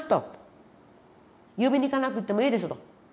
呼びに行かなくてもええでしょと。